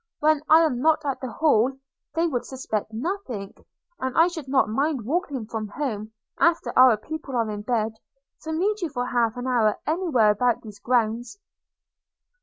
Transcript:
– When I am not at the Hall they would suspect nothing; and I should not mind walking from home, after our people are in bed, to meet you for half an hour any where about these grounds.'